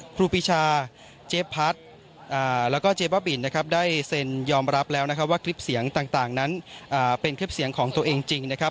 ครูปีชาเจ๊พัทและเจ๊ป้าบินได้เซ็นยอมรับแล้วว่าคลิปเสียงต่างนั้นเป็นคลิปเสียงของตัวเองจริง